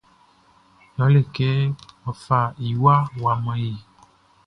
Ye le kɛ wa fa iwa wa man yé.